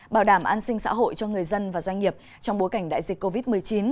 bảo đảm an sinh xã hội cho người dân và doanh nghiệp trong bối cảnh đại dịch covid một mươi chín